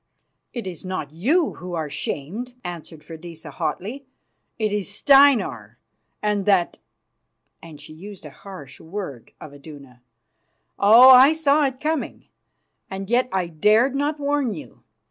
"It is not you who are shamed," answered Freydisa hotly. "It is Steinar and that ," and she used a harsh word of Iduna. "Oh! I saw it coming, and yet I dared not warn you.